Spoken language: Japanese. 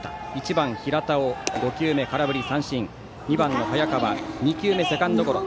１番、平田を５球目、空振り三振２番の早川２球目セカンドゴロ。